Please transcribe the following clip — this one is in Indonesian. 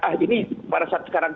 ah ini pada saat sekarang